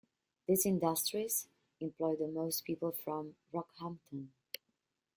These industries employed the most people from Rockhampton.